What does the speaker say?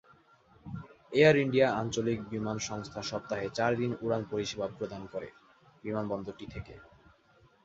Air India আঞ্চলিক বিমান সংস্থা সপ্তাহে চার দিন উড়ান পরিষেবা প্রদান করে বিমানবন্দরটি থেকে।